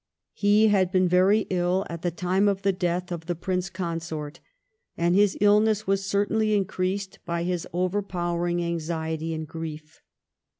He had been very ill at the time of the death of the Prince Consort, and his illness was certainly increased by his overpowering anxiety and grief.